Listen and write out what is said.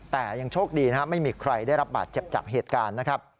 แต่ยังโชคดีไม่มีใครได้รับบาดเจ็บจับเหตุการณ์